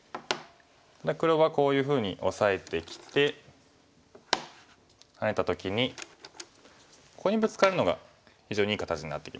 黒はこういうふうにオサえてきてハネた時にここにブツカるのが非常にいい形になってきますね。